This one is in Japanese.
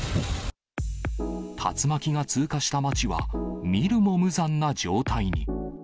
竜巻が通過した街は、見るも無残な状態に。